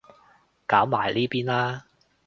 搞埋呢邊啦